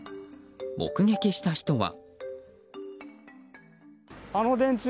目撃した人は。